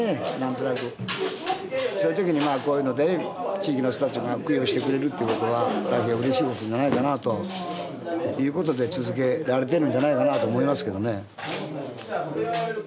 そういう時にこういうので地域の人たちが供養してくれるっていう事は大変うれしい事じゃないかなという事で続けられてるんじゃないかなと思いますけどね。